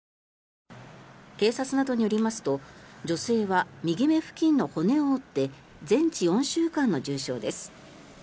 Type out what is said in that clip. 警察などによりますと女性は右目付近の骨を折って全治４週間の重傷です。